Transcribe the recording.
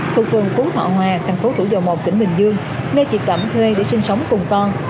thuộc vườn cú họ hoa thành phố thủ dầu một tỉnh bình dương nơi chị cẩm thuê để sinh sống cùng con